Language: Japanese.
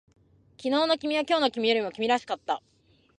昨日の君は今日の君よりも君らしかった